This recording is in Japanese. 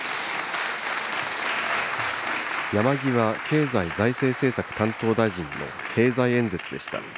山際経済財政政策担当大臣の経済演説でした。